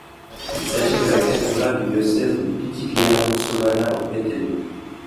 Il s'agit de la cathédrale du diocèse de Pitigliano-Sovana-Orbetello.